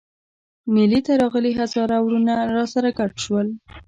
مېلې ته راغلي هزاره وروڼه راسره ګډ شول.